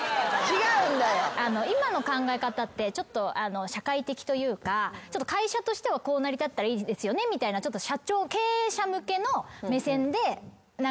今の考え方ってちょっと社会的というか会社としてはこう成り立ったらいいですよねみたいな。と思いました。